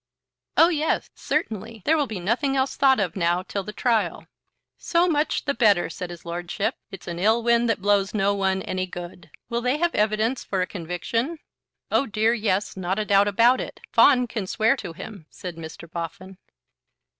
"Oh yes; certainly. There will be nothing else thought of now till the trial." "So much the better," said his Lordship. "It's an ill wind that blows no one any good. Will they have evidence for a conviction?" "Oh dear yes; not a doubt about it. Fawn can swear to him," said Mr. Boffin.